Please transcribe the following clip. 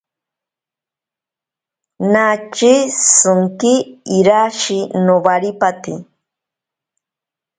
Nache shinki irashi nowaripate.